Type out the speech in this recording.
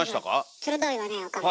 鋭いわね岡村。